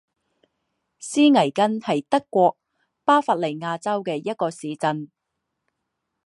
施魏根是德国巴伐利亚州的一个市镇。